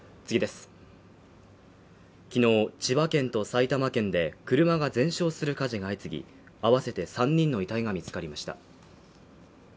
昨日、千葉県と埼玉県で車が全焼する火事が相次ぎ、あわせて３人の遺体が見つかりました。